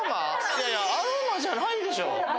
いやいやアロマじゃないでしょ。